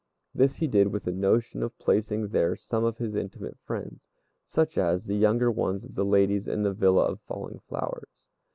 This he did with a notion of placing there some of his intimate friends, such as the younger one of the ladies in the "Villa of Falling Flowers."